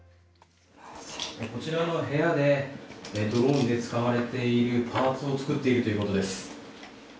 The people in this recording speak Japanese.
こちらの部屋でドローンで使われているパーツを作っているということです。